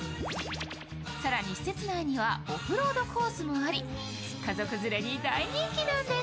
更に、施設内にはオフロードコースもあり家族連れに大人気なんです。